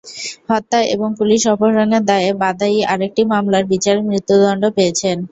হত্যা এবং পুলিশ অপহরণের দায়ে বাদায়ি আরেকটি মামলার বিচারে মৃত্যুদণ্ড পেয়েছেন।